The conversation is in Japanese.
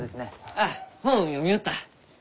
ああ本を読みよった。